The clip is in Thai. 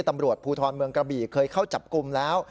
ตำรวจภูทรเมืองกระบี่เคยเข้าจับกลุ่มแล้ว